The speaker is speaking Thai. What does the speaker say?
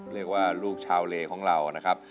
เรียกว่าลูกชาวเลของเรานะครับ